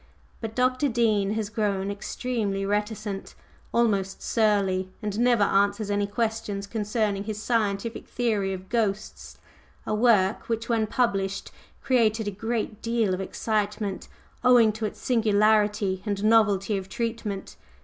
But Dr. Dean has grown extremely reticent almost surly; and never answers any questions concerning his Scientific Theory of Ghosts, a work which, when published, created a great deal of excitement, owing to its singularity and novelty of treatment.